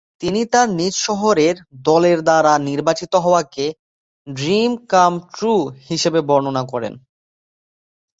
তিনি তার নিজ শহরের দলের দ্বারা নির্বাচিত হওয়াকে "ড্রিম কাম ট্রু" হিসেবে বর্ণনা করেন।